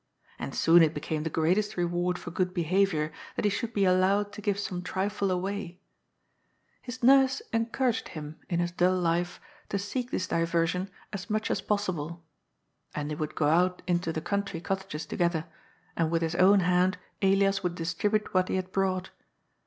And soon it became the greatest reward for good be haviour that he should be allowed to give some trifle away. 90 GOD'S FOOL. His nurse encouraged him, in his dull life, to seek this diversion as much as possible. And they would go out into the country cottages together, and with his own hand Ellas would distribute what he had brought.